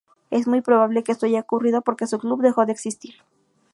Es muy probable que esto haya ocurrido porque su club dejó de existir.